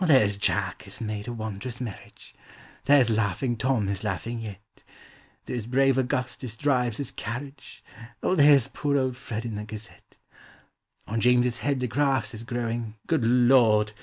There 's Jack has made a wondrous marriage; There 's laughing Tom is laughing yet; There's brave Augustus drives his carriage; There 's poor old Fred in the Gazette ; On James's head the grass is growing: Good Lord!